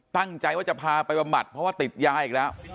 ตั้งใจว่าจะพาไปบำบัดเพราะว่าติดยาอีกแล้ว